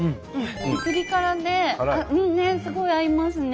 ピリ辛ですごい合いますね。